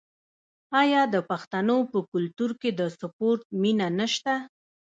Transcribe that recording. آیا د پښتنو په کلتور کې د سپورت مینه نشته؟